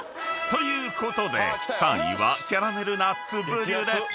［ということで３位はキャラメルナッツブリュレ］